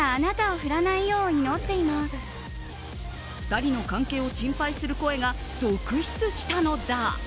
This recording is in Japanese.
２人の関係を心配する声が続出したのだ。